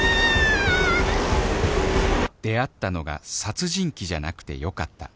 「出会ったのが殺人鬼じゃなくて良かった。